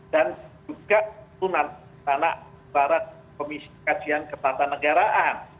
dan juga tuan anak barat komisi kajian ketatanegaraan